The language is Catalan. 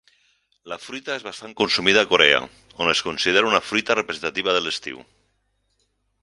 La fruita és bastant consumida a Corea, on es considera una fruita representativa de l'estiu.